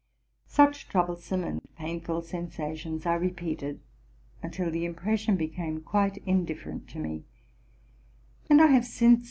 Such troublesome and painful sensations I repeated until the impression became quite indifferent to me; and I have since RELATING TO MY LIFE.